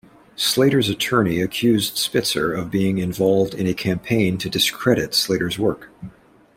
Slater's attorney accused Spitzer of being involved in a campaign to discredit Slater's work.